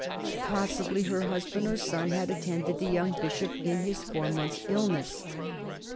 Possibly her husband or son had attended the young Bishop in his four months' illness.